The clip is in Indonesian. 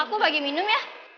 al aku bagi minum ya